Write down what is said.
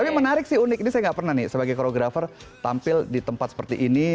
tapi menarik sih unik ini saya nggak pernah nih sebagai koreografer tampil di tempat seperti ini